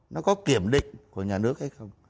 nó có kiểm định của nhà nước hay không